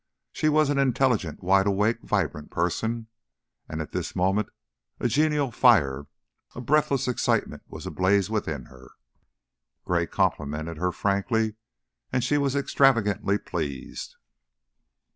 She was an intelligent, wide awake, vibrant person, and at this moment a genial fire, a breathless excitement, was ablaze within her. Gray complimented her frankly, and she was extravagantly pleased.